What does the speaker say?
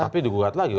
tapi digugat lagi kan